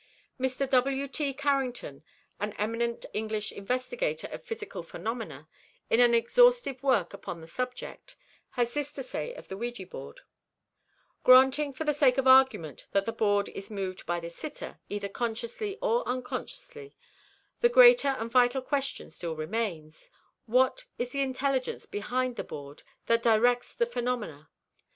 Mr. W. T. Carrington, an eminent English investigator of psychical phenomena, in an exhaustive work upon the subject, has this to say of the ouija board: "Granting for the sake of argument that the board is moved by the sitter, either consciously or unconsciously, the great and vital question still remains: What is the intelligence behind the board, that directs the phenomena?